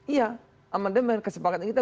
iya amandemen kesepakatan kita